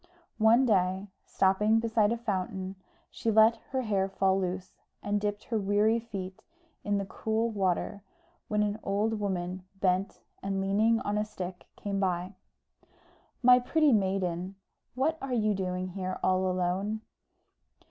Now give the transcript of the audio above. One day, stopping beside a fountain, she let her hair fall loose, and dipped her weary feet in the cool water, when an old woman, bent, and leaning on a stick, came by. "My pretty maiden, what are you doing here all alone?"